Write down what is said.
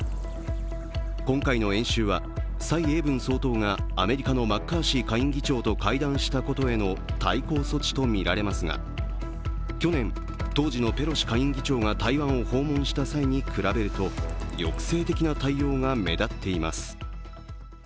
今回の演習は蔡英文総統がアメリカのマッカーシー下院議長と会談したことへの対抗措置とみられますが去年、当時のペロシ下院議長が台湾を訪問した際に比べると抑制的な対応が目立っています。